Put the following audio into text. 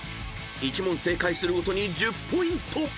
［１問正解するごとに１０ポイント］